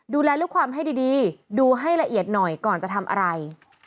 ดูแลลูกความให้ดีดูให้ละเอียดหน่อยก่อนจะทำอะไร